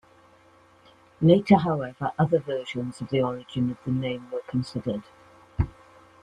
Later, however, other versions of the origin of the name were considered.